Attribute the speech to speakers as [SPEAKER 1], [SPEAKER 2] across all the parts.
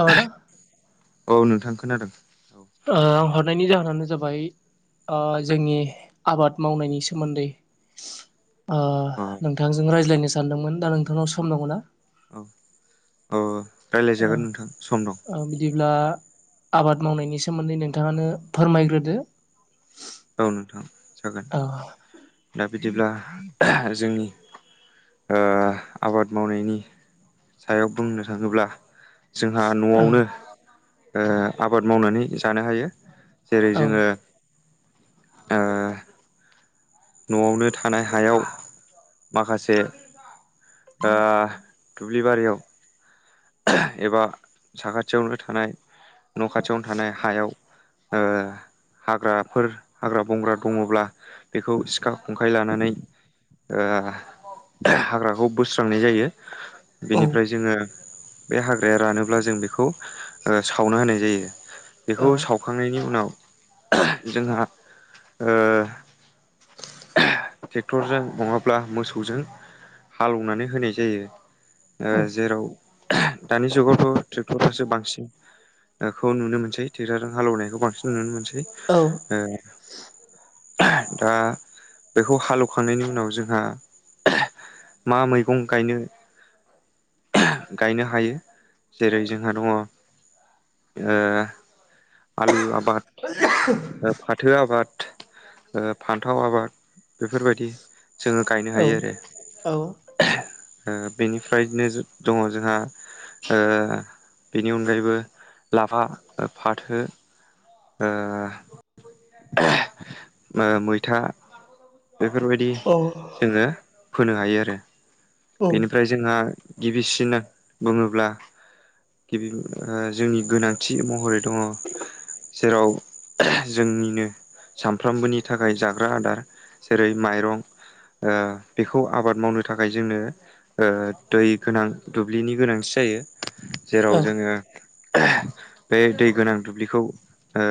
[SPEAKER 1] आ
[SPEAKER 2] औ नोंथां खोनादों
[SPEAKER 1] आं हरनायनि जाहोनानो जाबाय आ जोंनि आबाद मावनायनि सोमोन्दै ओ
[SPEAKER 2] औ अ
[SPEAKER 1] नोंथांजों रायज्लायनो सानदोंमोन दा नोंथांनाव सम दङ ना?
[SPEAKER 2] औ औ
[SPEAKER 1] ओ
[SPEAKER 2] रायज्लायजागोन नोंथां सम दं
[SPEAKER 1] ओ बिदिब्ला आबाद मावनायनि सोमोन्दै नोंथाङानो फोरमायग्रोदो
[SPEAKER 2] औ नोथां
[SPEAKER 1] औ
[SPEAKER 2] बिदिब्ला हा जोंनि ओ आबाद मावनायनि सायाव बुंनो थाङोब्ला जोंहा
[SPEAKER 1] औ
[SPEAKER 2] न'आवनो आबाद मावनानै जानो हायो जेरै
[SPEAKER 1] औ
[SPEAKER 2] जोङो ओ न'आवनो थानाय हायाव माखासे ओ दुब्लि बारियाव ओह एबा साखाथियावनो थानाय न' खाथियावनो थानाय हायाव ओ हाग्राफोर हाग्रा बंग्रा दङब्ला बेखौ सिखा खंखाय लानानै ओ हो हाग्राखौ बोस्रांनाय जायो
[SPEAKER 1] औ
[SPEAKER 2] बेनिफ्राय जोङो बे हाग्राया रानोब्ला जों बेखौ सावना होनाय जायो बेखौ
[SPEAKER 1] औ
[SPEAKER 2] सावखांनायनि उनाव ओहो जोंहा ओ ओहो ट्रेक्टरजों नङाब्ला मोसौजों हालौनानै होनाय जायो ओ जेराव ओहो दानि जुगावथ' ट्रेक्टरासो बांसिन खौ नुनो मोनसै ट्रेक्टरजों हालौनायखौ बांसिन नुनो मोनसै
[SPEAKER 1] औ
[SPEAKER 2] ओहो दा बेखौ हालेवखांनायनि उनाव जोंहा ओहो मा मैगं गायनो [unintelligible] गायनो हायो जेरै जोंहा दङ ओ आलु आबाद, फाथो आबाद फान्थाव आबाद बेफोरबायदि जोङो गायनो
[SPEAKER 1] औ
[SPEAKER 2] हायो आरो
[SPEAKER 1] औ
[SPEAKER 2] हा ओ बेनिफ्रायनो दङ जोंहा ओ बेनि अनगायैबो लाफा, फाथो ओ ओहो मैथा बेफोरबायदि
[SPEAKER 1] औ
[SPEAKER 2] जोङो फोनो हायो आरो बेनिफ्राय जोंहा गिबिसिन बुङोब्ला गिबि जोंनि गोनांथि महरै दङ जेराव ओहो जोंनिनो सानफ्रोमबोनि थाखाय जाग्रा आदार जेरै माइरं ओ बेखौ आबाद मावनो थाखाय जोंनो ओ दै गोनां दुब्लिनि गोनांथि [unintelligible] जेराव
[SPEAKER 1] औ औ
[SPEAKER 2] जोङो ओहो बे दै गोनां दुब्लिखौ ओ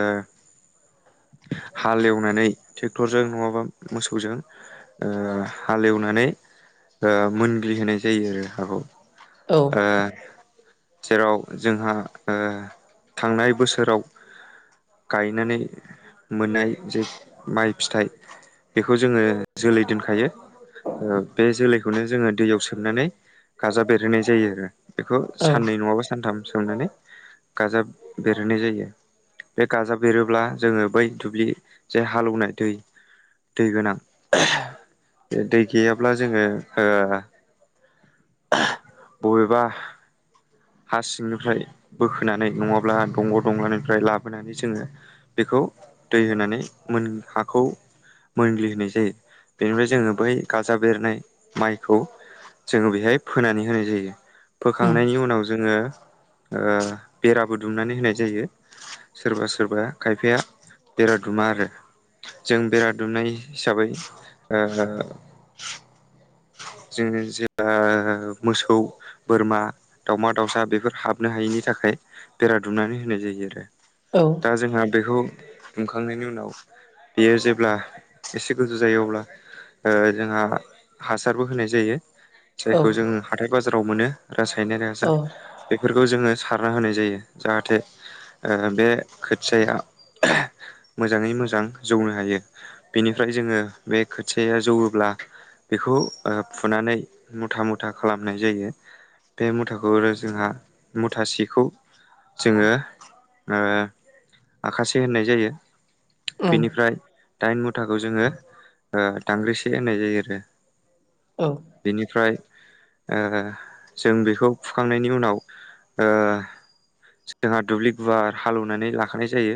[SPEAKER 1] [unintelligible]
[SPEAKER 2] हालेवनानै ट्रेक्टरजों नङाबा मोसौजों ओ हालेवनानै मोनग्लि होनाय जायो आरो हाखौ
[SPEAKER 1] औ
[SPEAKER 2] ओ जेराव जोंहा ओ थांनाय बोसोराव गायनानै मोननाय जे माइ फिथाइ बेखौ जोङो जोलै दोनखायो बे जोलैखौनो जोङो दैयाव सोमनानै गाजा बेरहोनाय जायो आरो बेखौ
[SPEAKER 1] औ
[SPEAKER 2] साननै नङाबा सानथाम सोमनानै गाजाब बेरहोनाय जायो बे गाजाब बेरोब्ला जोङो बै दुब्लि जे हालौनाय दै दै गोनां आहा [unintelligible] दै गैयाब्ला जोङो ओ आहा बबेबा हा सिंनिफ्राय बोखोनानै नङाब्ला दंग' दंलानिफ्राय लाबोनानै जोङो बे बेखौ दै होनानै मोन हाखौ मोनग्लि होनाय जायो बेनिफ्राय जोङो बै गाजा बेरनाय माइखौ जोङो बेहाय फोनानै होनाय जायो
[SPEAKER 1] उम
[SPEAKER 2] फोखांनायनि उनाव जोङो ओ बेराबो दुमनानै होनाय जायो सोरबा सोरबा खायफाया बेरा दुमा आरो। जों बेरा दुमनाय हिसाबै ओ जों जेब्ला मोसौ बोरमा दावमा दाउसा बेफोर हाब हाबनो हायिनि थाखाय बेरा दुनानै होनाय जायो आरो
[SPEAKER 1] औ
[SPEAKER 2] दा जोंहा बेखौ दुंखांनायनि उनाव बेयो जेब्ला एसे गोजौ जायो अब्ला ओ जोंहा हासारबो होनाय जायो
[SPEAKER 1] औ
[SPEAKER 2] जायखौ जों हाथाय बाजाराव मोनो रासायनारिक हासार बेफोरखौ जोङो सारना होनाय जायो जाहाथे ओ बे खोथियाया मोजाङै मोजां जौनो हायो। बेनिफ्राय जोङो बे खोथियाया जौवोब्ला बेखौ फुनानै मुथा मुथा खालामनाय जायो। बे मुथाखौ आरो जोंहा मुथा सेखौ जोङो ओ आखासे होननाय जायो।
[SPEAKER 1] उम
[SPEAKER 2] बेनिफ्राय दाइन मुथाखौ जोङो दांग्रिसे होननाय जायो आरो।
[SPEAKER 1] औ
[SPEAKER 2] बेनिफ्राय ओ जों बेखौ फुखांनायनि उनाव ओ जोंहा दुब्लि गुवार हालौवनानै लाखानाय जायो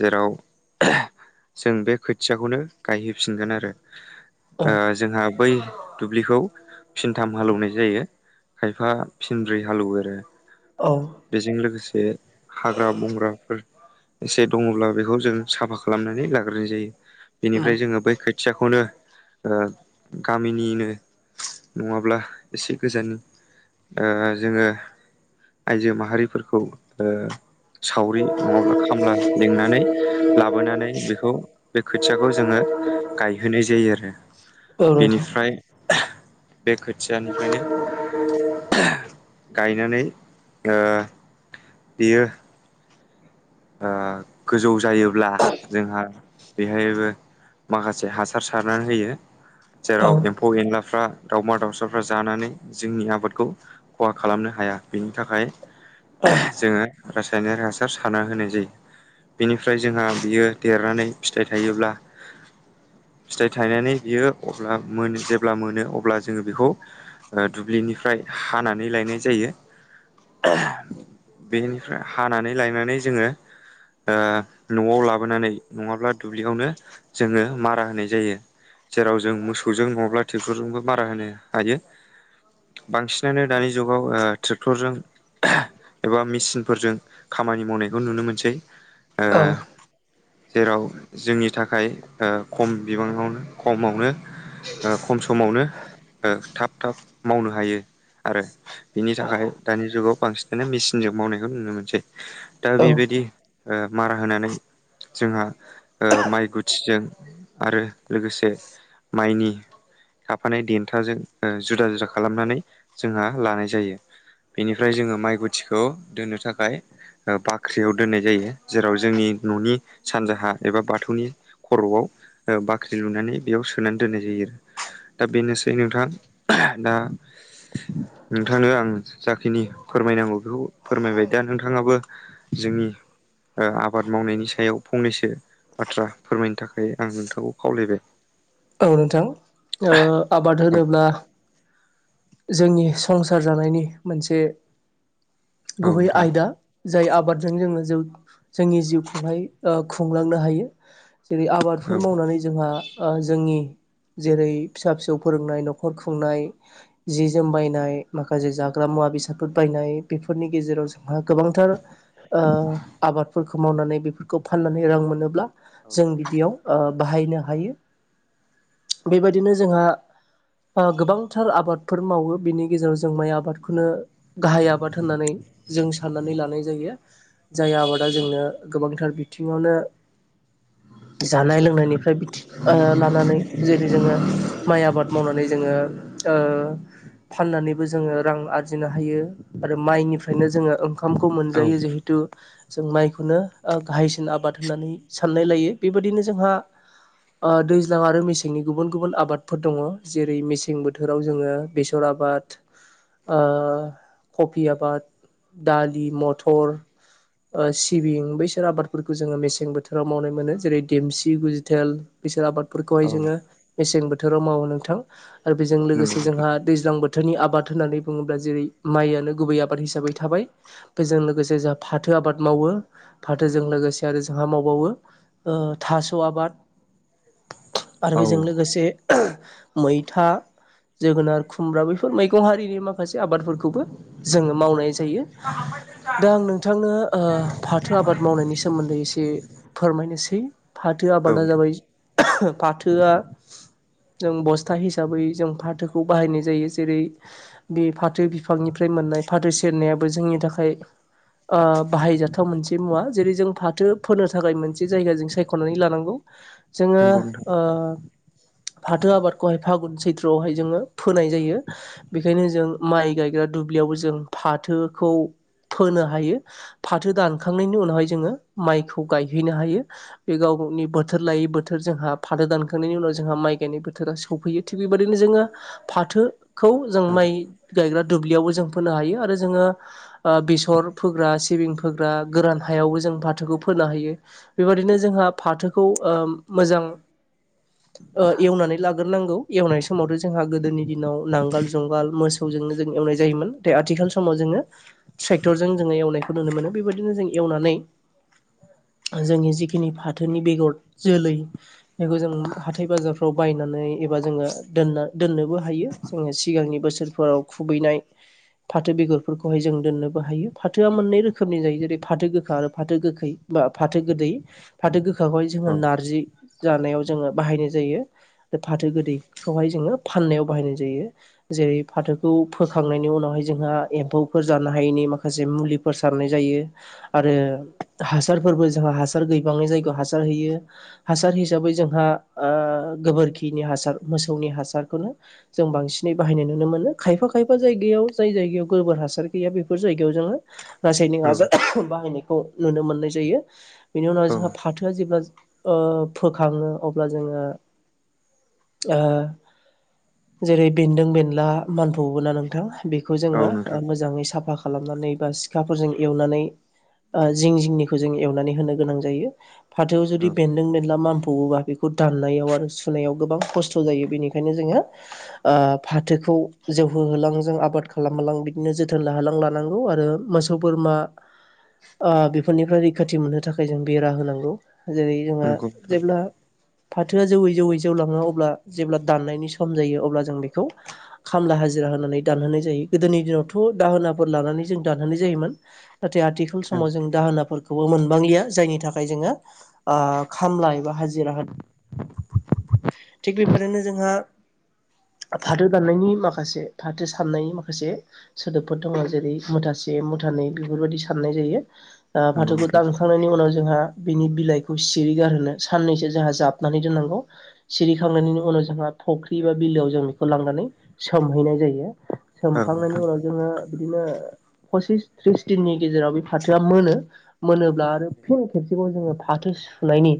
[SPEAKER 2] जेराव जों बे खोथियाखौनो गायहैफिनगोन आरो
[SPEAKER 1] औ
[SPEAKER 2] ओ जोंहा बै दुब्लिखौ फिनथाम हालौवनाय जायो। खायफा फिनब्रै हालेवो आरो
[SPEAKER 1] औ उम
[SPEAKER 2] बेजों लोगोसे बे हाग्रा बंग्राफोर एसे दङब्ला बेखौ जों साफा खालामनानै लाग्रोनाय जायो। बेनिफ्राय जोङो बे खोथियाखौनो ओ गामिनिनो नङाब्ला एसे गोजाननि ओ जोङो आइजो माहारिफोरखौ ओ सावरि नङाब्ला खामला लिंनानै लाबोनानै बेखौ बे खोथियाखौ जोङो गायहोनाय जायो आरो
[SPEAKER 1] औ नोंथां
[SPEAKER 2] बेनिफ्राय बे खोथियानिफ्रायनो गायनानै ओ बियो ओ गोजौ जायोब्ला जोंहा बेहायबो माखासे हासार सारनानै होयो। जेराव
[SPEAKER 1] औ
[SPEAKER 2] एम्फौ एनलाफ्रा दाउमा दाउसाफ्रा जानानै जोंनि आबादखौ खहा खालामनो हा हाया बेनि थाखाय जोङो रासायनिक हासार सारना होनाय बिनिफ्राय जोंहा बियो देरनानै फिथाइ थायोब्ला
[SPEAKER 1] [inaudible]
[SPEAKER 2] फिथाइ थायनानै बियो अब्ला मोनो जेब्ला मोनो अब्ला जोङो बेखौ दुब्लिनिफ्राय हानानै लायनाय जायो। बेनिफ्राय हानानै लायनानै जोङो
[SPEAKER 1] औ
[SPEAKER 2] ओ न'आव लाबोनानै नङाब्ला दुब्लियावनो जोङो मारा होनाय जायो। जेराव जों मोसौजों नङाब्ला ट्रेक्टरजोंबो मारा होनो हायो। बांसिनानो दानि जुगाव ओ ट्रेक्टरजों एबा मेचिनफोरजों खामानि मावनायखौ नुनो मोनसै ओ
[SPEAKER 1] औ
[SPEAKER 2] जेराव जोंनि थाखाय ओ खम बिबाङावनो खमावनो ओ खम समावनो ओ थाब थाब मावनो हायो। आरो बिनि थाखाय दानि जुगाव बांसिनानो मेसिनजों मावनायखौ नुनो मोनसै। दा
[SPEAKER 1] औ
[SPEAKER 2] बेबायदि ओ मारा होनानै जोंहा ओ माइ गुथिजों आरो लोगोसे माइनि थाफानाय देन्थाजों जुदा जुदा खालामनानै जोंहा लानाय जायो बेनिफ्राय जोङो माइ गुथिखौ दोननो थाखाय बाख्रियाव दोननाय जायो जेराव जोंनि न'नि सानजाहा एबा बाथौनि खर'आव बाख्रि लुनानै बेयाव सोनानै दोननाय जायो आरो दा बेनोसै नोंथां दा नोंथांनो आं जाखिनि फोरमायनांगौ बेखौ फोरमायबाय दा नोंथाङाबो जोंनि आबाद मावनायनि सायाव फंनैसो बाथ्रा फोरमायनो थाखाय आं नोंथांखौ खावलायबाय
[SPEAKER 1] औ नोंथां आबाद होनोब्ला जोंनि संसार जानायनि मोनसे
[SPEAKER 2] औ
[SPEAKER 1] गुबै
[SPEAKER 2] नोंथां
[SPEAKER 1] आयदा जाय आबादजों जोङो जोंनि जिउखौहाय खुंलांनो हायो जेरै आबादफोर मावनानै जोंहा जोंनि जेरै फिसा फिसौ फोरोंनाय न'खर खुंनाय जि जोम बायनाय माखासे जाग्रा मुवा बेसादफोर बायनाय बेफोरनि गेजेराव जों गोबांथार आबादफोरखौ मावनानै बेफोरखौ फाननानै रां मोनोब्ला जों बिदियाव बाहायनो हायो बेबायदिनो जोंहा गोबांथार आबादफोर मावो बिनि गेजेराव जों माइ आबादखौनो गाहाय आबाद होननानै जों साननानै लानाय जायो जाय आबादा जोंनो गोबांथार बिथिङावनो जानाय लोंनायनिफ्राय लानानै जेरै जोङो माइ आबाद मावनानै जोङो फाननानैबो जोङो रां आरजिनो हायो आरो माइनिफ्रायनो जोङो ओंखामखौ
[SPEAKER 2] औ
[SPEAKER 1] मोनजायो जिहेथु जों माइखौनो गाहायसिन आबाद होननानै साननाय लायो बेबायदिनो जोंहा दैज्लां आरो मेसें मेसेंनि गुबुन गुबुन आबादफोर दङ जेरै मेसें बोथोराव जोङो बेसर आबाद कफि आबाद दालि मथर सिबिं बैसोर आबादफोरखौ जोङो मेसें बोथोराव मावनाय मोनो जेरै देमसि गुजिथेल बैसोर आबाद फोरखौहाय
[SPEAKER 2] औ
[SPEAKER 1] जोङो मेसें बोथोराव मावो नोंथां आरो बेजों
[SPEAKER 2] नंगौ
[SPEAKER 1] लोगोसे जोंहा दैज्लां बोथोर फाथोनि आबाद होन्नानै बुङोब्ला जेरै माइनो गुबै आबाद हिसाबै थाबाय बेजों लोगोसे जोंहा फाथो आबाद मावो फाथोजों लोगोसे आरो जोंहा मावबावो थास' आबाद आरो बेजों लोगोसे मैथा जोगोनार खुमब्रा बेफोर मैगं हारिनि माखासे आबादफोरखौबो जोङो मावनाय जायो जायो दा आं नोंथांनो फाथो आबाद मावनायनि सोमोन्दै एसे फोरमायनोसै फाथो आबादा जाबाय फाथोआ जों बस्था हिसाबै जों फाथोखौ बाहायनाय जायो जेरै बे फाथो बिफांनिफ्राय मोननाय फाथो सेरनायाबो जोंनि थाखाय बाहायजाथाव मोनसे मुवा जेरै जों फाथो फोनो थाखाय मोनसे जायगा जों सायख'नानै लानांगौ जोङो
[SPEAKER 2] नोंथां
[SPEAKER 1] फाथो आबादखौहाय फागुन सैथ्रआवहाय जोङो फोनाय जायो बेखायनो जों माइ गायग्रा दुब्लियावबो जों फाथोखौ फोनो हायो फाथो दानखांनायनि उनावहाय जोङो माइखौ गायहैनो हायो बे गाव गावनि बोथोर लायै बोथोर जोंहा फाथो दानखांनायनि उनाव जोंहा माइ गायनाय बोथोरा सौफैयो थिग बेबायदिनो जोङो फाथो खौ जों माइ गायग्रा दुब्लियावबो जों फोनो हायो आरो जोङो बेसर फोग्रा सिबिं फोग्रा गोरान हायावबो जों जों फाथोखौ फोनो हायो बेबायदिनो जोंहा फाथोखौ मोजां एवनानै लाग्रोनांगौ एवनाय समावथ' जोंहा गोदोनि दिनाव नांगाल जंगाल मोसौजोंनो जों एवनाय जायोमोन द आथिखाल समाव जोङो ट्रेक्टर जों जोङो एवनायखौ नुनो मोनो बेबायदिनो जों एवनानै जोंनि जिखिनि फाथोनि बेगर जोलै बेखौ जों हाथाय बाजारफ्राव बायनानै एबा जोङो दोना दोननोबो हायो जोङो सिगांनि बोसोरफोराव खुबैनाय फाथो बेगरफोरखौहाय जों दोननोबो हायो फाथोआ मोननै रोखोमनि जायो। जेरै फाथो गोखा आरो फाथो गोखै बा फाथो गोदै फाथो गोखाखौहाय जोङो
[SPEAKER 2] औ नंगौ नोंथां औ
[SPEAKER 1] नारजि जानायाव जोङो बाहायनाय जायो फाथो गोदैखौहाय जोङो फाननायाव बाहायनाय जायो। जेरै फाथोखौ फोखांनायनि उनावहाय जोंहा एम्फौफोर जानो हायैनि माखासे मुलिफोर सारनाय जायो। आरो हासारफोरबो जों हासार गोबाङै जायगायाव हासार होयो हासार हिसाबै जोंहा गोबोरखिनि हासार मोसौनि हासारखौनो जों बांसिनै बाहायनाय नुनो मोनो खायफा खायफा जायगायाव जाय जायगायाव गोबोर हासार गैया बेफोर जायगायाव जोङो रासायनिक
[SPEAKER 2] औ
[SPEAKER 1] आजार बाहायनायखौ नुनो मोननाय जायो बेनि उनाव
[SPEAKER 2] औ
[SPEAKER 1] जोंहा फाथोआ जेब्ला ओ फोखाङो अब्ला जोङो ओ जेरै बेन्दों बेनला मोनफाबोना नोंथां। बेखौ
[SPEAKER 2] औ
[SPEAKER 1] जोङो
[SPEAKER 2] नोंथां
[SPEAKER 1] मोजाङै साफा खालामनानै बा सिखाफोरजों एवनानै जिं जिंनिखौ जों एवनानै होनो गोनां जायो फाथोआव जुदि
[SPEAKER 2] औ
[SPEAKER 1] बेदों बेनला मामफबोबा बेखौ दान्नायाव आरो सुनायाव गोबां खस्थ' जायो बेनिखायनो जोङो फाथोखौ जौहो होहोलां जों आबाद खालामहोलां बिदिनो जोथोन लाहोलां लानांगौ आरो मोसौ बोरमा बेफोरनिफ्राय रैखाथि मोननो थाखाय जों बेरा होनांगौ जेरै जोंहा
[SPEAKER 2] [unintelligible]
[SPEAKER 1] जेब्ला
[SPEAKER 2] [inaudible]
[SPEAKER 1] फाथोआ जौयै जौयै जौलाङो अब्ला जेब्ला दाननायनि सम जायो अब्ला जों बेखौ खामला हाजि- रा होनानै दानहोनाय जायो गोदोनि दिनावथ' दाहोनाफोर लानानै जों दानहोनाय जायोमोन। नाथाय आथिखाल
[SPEAKER 2] औ नंगौ
[SPEAKER 1] समाव जों दाहोनाफोरखौबो मोनबांलिया जायनि थाखाय जोङो। खामला एबा हाजिरा हो थिग बेफोरनो जोंहा फाथो दाननायनि माखासे फाथो साननायनि माखासे सोदोबफोर दङ जेरै मुथा मुथानै बेफोरबायदि साननाय जायो फाथोखौ
[SPEAKER 2] नोंथां
[SPEAKER 1] दानखांनायनि उनाव जोंहा बिनि बिलाइखौ सिरि गारो साननैसो जोंहा जाबनानै दोननांगौ। सिरिखांनायनि उनाव जोंहा फख्रि बा बिलोआव जों बेखौ लांनानै सोमहैनाय जायो।
[SPEAKER 2] औ
[SPEAKER 1] सोमखांनायनि
[SPEAKER 2] नोंथां
[SPEAKER 1] उनाव जोङो बिदिनो फसिस थ्रिस दिननि गेजेराव बे फाथोआ मोनो मोनोब्ला आरो फिन खेबसेबाव जोङो फाथो फुनायनि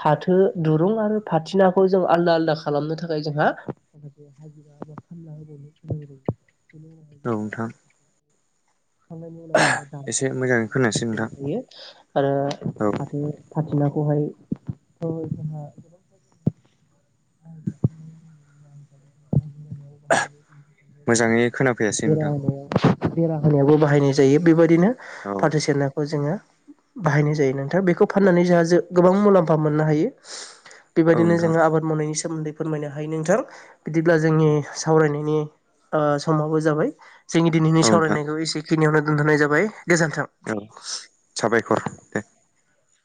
[SPEAKER 1] फाथो दुरुं आरो फथिनाखौ जों आलदा आलदा खालामनो थाखाय जोंहा हाजिरा एबा खामला होबावनो गोनां जायो।
[SPEAKER 2] औ नोंथां।
[SPEAKER 1] खामानि
[SPEAKER 2] एसे मोजाङै खोनायासै नोंथां
[SPEAKER 1] मावनाय [unintelligible]
[SPEAKER 2] औ
[SPEAKER 1] [inaudible] बेहायथ' जोंहा गोबां [inaudible] [unintelligible]
[SPEAKER 2] मोजाङै खोनाफैयासै
[SPEAKER 1] बेरा
[SPEAKER 2] नोंथां
[SPEAKER 1] होनाय बेरा होनायावो बाहायनाय जायो बेबायदिनो
[SPEAKER 2] औ
[SPEAKER 1] फाथो सेरनाखौ जोङो बाहायनाय जायो नोंथाङा बेखौ फाननानै जोंहा गोबां मुलाम्फा मोननो हायो।
[SPEAKER 2] औ
[SPEAKER 1] बेबायदिनो
[SPEAKER 2] नोंथां
[SPEAKER 1] जोङो आबाद मावनायनि सोमोन्दै फोरमायनो हायो नोंथां। बिदिब्ला जोंनि सावरायनायनि समावबो जोंनि दिनैनि
[SPEAKER 2] औ नोंथां
[SPEAKER 1] सावरायनायखौ एसेखिनियावनो दोनथ'नाय जाबाय गोजोन्थों।
[SPEAKER 2] औ साबायखर दे।